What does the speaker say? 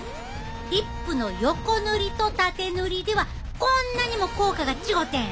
リップのヨコ塗りとタテ塗りではこんなにも効果が違てん！